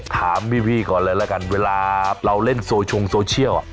ถามวีวีก่อนเลยละกันเวลาเราเล่นโซชงโซเชียล